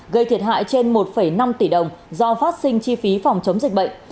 gây thiệt hại trên một năm tỷ đồng do phát sinh chi phí phòng chống dịch bệnh